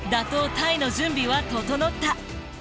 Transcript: タイの準備は整った。